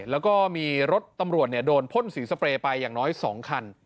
แล้วก็มีรถตำรวจโดนพ่นสีสเปรย์ไปอย่างน้อย๒คัน